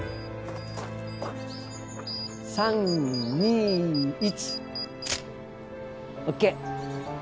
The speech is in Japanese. ３２１ＯＫ